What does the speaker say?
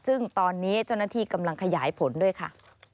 ซึ่งตอนนี้เจ้าหน้าที่กำลังขยายผลด้วยค่ะ